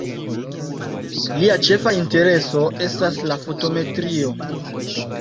Lia ĉefa intereso estas la fotometrio.